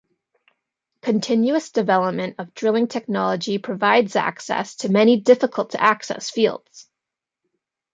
Continuous development of drilling technology provides access to many difficult-to-access fields.